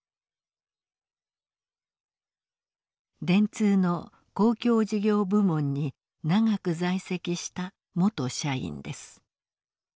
電通の公共事業部門に長く在籍した元社員です。